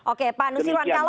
oke pak nusirwan